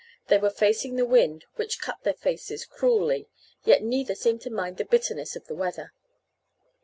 They were facing the wind, which cut their faces cruelly, yet neither seemed to mind the bitterness of the weather.